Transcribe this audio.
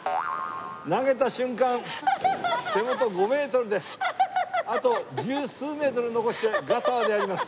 投げた瞬間手元５メートルであと十数メートル残してガターであります。